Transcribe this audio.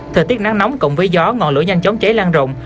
thời tiết nắng nóng cộng với gió ngọn lửa nhanh chóng cháy lan rộng